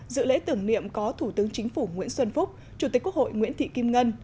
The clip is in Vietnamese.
dự lễ tưởng niệm có thủ tướng chính phủ nguyễn xuân phúc chủ tịch quốc hội nguyễn thị kim ngân